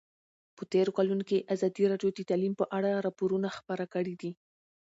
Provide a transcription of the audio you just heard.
په تېرو کلونو کې ازادي راډیو د تعلیم په اړه راپورونه خپاره کړي دي.